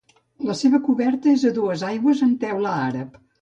La seva coberta és a dues aigües amb teula àrab.